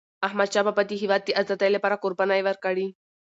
احمدشاه بابا د هیواد د آزادی لپاره قربانۍ ورکړي.